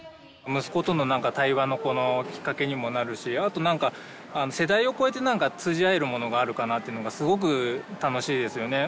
息子との対話のきっかけにもなるしあと何か世代を超えて通じ合えるものがあるかなっていうのがすごく楽しいですよね。